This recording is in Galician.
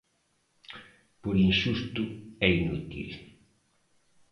Por "inxusto" e "inútil".